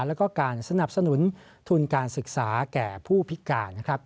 แล้วก็การสนับสนุนทุนการศึกษาแก่ผู้พิการนะครับ